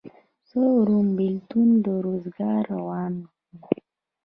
څه اورم بېلتونه د روزګار روان